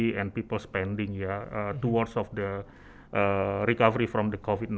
menjaga penggunaan menjaga penyelamat dari covid sembilan belas